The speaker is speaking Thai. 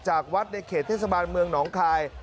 จากวัดในเขตเทศบาลเมืองหนองคาย